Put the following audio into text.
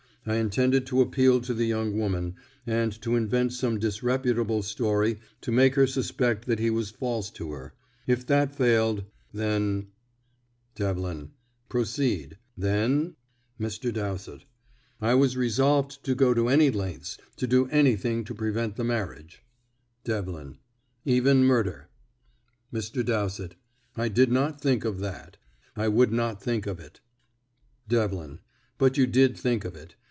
I intended to appeal to the young woman, and to invent some disreputable story to make her suspect that he was false to her. If that failed, then " Devlin: "Proceed. Then?" Mr. Dowsett: "I was resolved to go any lengths, to do anything to prevent the marriage." Devlin: "Even murder." Mr. Dowsett: "I did not think of that I would not think of it." Devlin: "But you did think of it.